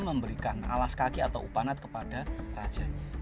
memberikan alas kaki atau upanat kepada rajanya